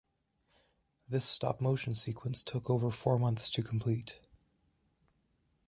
This stop-motion sequence took over four months to complete.